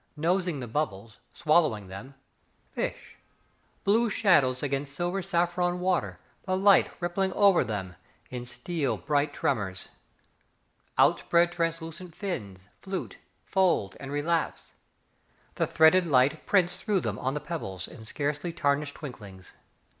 Nosing the bubbles, Swallowing them, Fish. Blue shadows against silver saffron water, The light rippling over them In steel bright tremors. Outspread translucent fins Flute, fold, and relapse; The threaded light prints through them on the pebbles In scarcely tarnished twinklings.